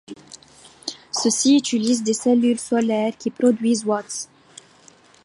Ceux-ci utilisent des cellules solaires qui produisent watts.